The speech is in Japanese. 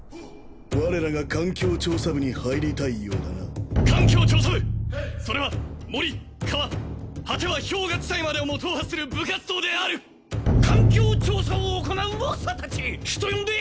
我らが環境調査部に入りたいようだな環境調査部それは森川果ては氷河地帯までをも踏破する部活動である環境調査を行う猛者達人呼んで！